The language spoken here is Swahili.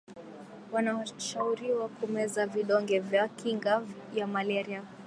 wanashauriwa kumeza vidonge vya kinga ya malaria